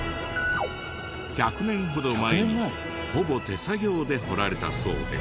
１００年ほど前にほぼ手作業で掘られたそうで。